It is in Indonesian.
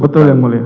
betul yang mulia